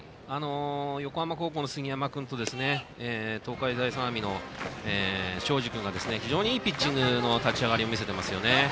横浜高校の杉山君と東海大相模の庄司君が非常にいいピッチングの立ち上がりを見せていますよね。